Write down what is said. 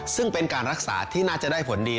ซึ่งเป็นการรักษาที่น่าจะได้ผลดี